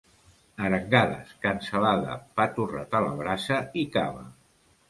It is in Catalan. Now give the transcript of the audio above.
Arengades, cansalada, pa torrat a la brasa i cava.